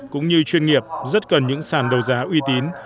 cũng như chuyên nghiệp rất cần những sản đấu giá uy tín